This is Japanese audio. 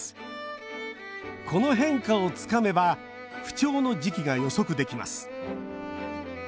この変化をつかめば不調の時期が予測できます